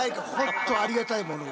ありがたいもの。